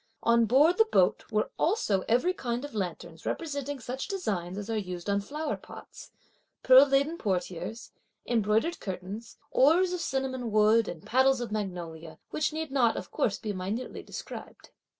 On board the boat were also every kind of lanterns representing such designs as are used on flower pots, pearl laden portieres, embroidered curtains, oars of cinnamon wood, and paddles of magnolia, which need not of course be minutely described.